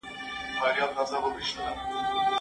تطبیقي پوښتنې په څېړنه کې رول لري.